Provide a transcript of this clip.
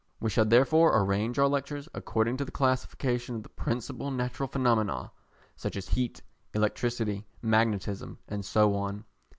We shall therefore arrange our lectures according to the classification of the principal natural phenomena, such as heat, electricity, magnetism and so on.